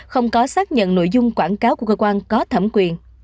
không có xác nhận nội dung quảng cáo của cơ quan có thẩm quyền